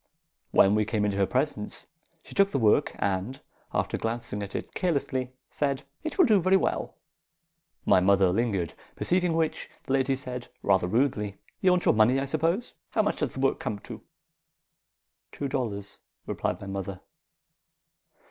When we came into her presence, she took the work, and, after glancing at it carelessly, said, "'It will do very well.' "My mother lingered; perceiving which, the lady said, rather rudely, "'You want your money, I suppose. How much does the work come to?' "'Two dollars,' replied my mother.